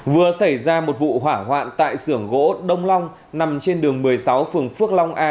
vừa xảy ra một vụ hỏa hoạn tại sưởng gỗ đông long nằm trên đường một mươi sáu phường phước long a